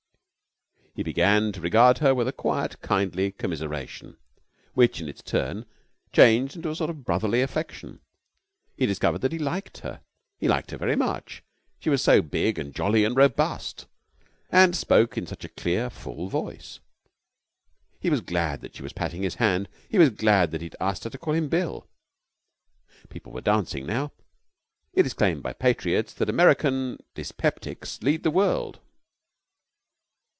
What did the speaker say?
He began to regard her with a quiet, kindly commiseration, which in its turn changed into a sort of brotherly affection. He discovered that he liked her. He liked her very much. She was so big and jolly and robust, and spoke in such a clear, full voice. He was glad that she was patting his hand. He was glad that he had asked her to call him Bill. People were dancing now. It has been claimed by patriots that American dyspeptics lead the world.